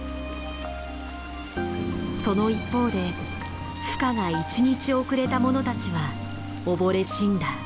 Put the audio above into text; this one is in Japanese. その一方でふ化が１日遅れたものたちは溺れ死んだ。